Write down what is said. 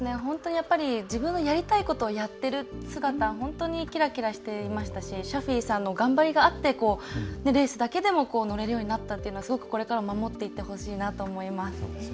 自分のやりたいことをやってる姿は本当に、きらきらしていましたしシャフィイさんの頑張りがあってレースだけでも乗れるようになったのですごく、これからも守っていってほしいなと思います。